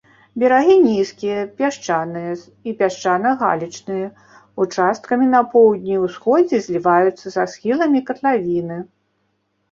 Берагі нізкія, пясчаныя і пясчана-галечныя, участкамі на поўдні і ўсходзе зліваюцца са схіламі катлавіны.